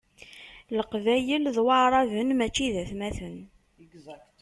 Leqbayel d waɛraben mačči d atmaten.